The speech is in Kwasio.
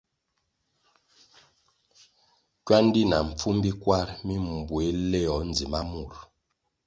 Kywandi na mpfumbi kwar mi mbuéh léwoh ndzima mur.